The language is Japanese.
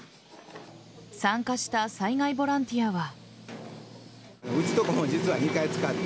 参加した災害ボランティアは。